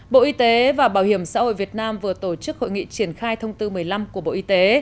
bộ y tế và bảo hiểm xã hội việt nam vừa tổ chức hội nghị triển khai thông tư một mươi năm của bộ y tế